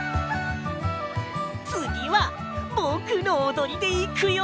つぎはぼくのおどりでいくよ。